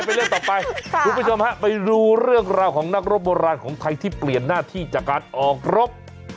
คุณผู้ชมฮะไปดูเรื่องราวของนักรบโบราณของไทยที่เปลี่ยนหน้าที่จากการออกรบ